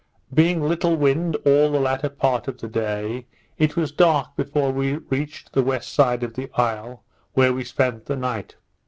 Being little wind all the latter part of the day, it was dark before we reached the west side of the isle, where we spent the night.